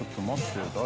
誰？